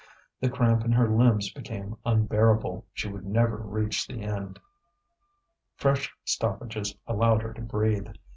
The cramp in her limbs became unbearable, she would never reach the end. Fresh stoppages allowed her to breathe.